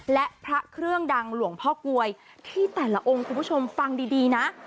และพระเครื่องดังหลวงพ่อกลวยที่แต่ละองค์คุณผู้ชมฟังดีนะ